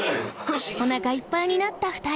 お腹いっぱいになった２人。